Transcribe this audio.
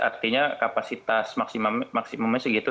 artinya kapasitas maksimumnya segitu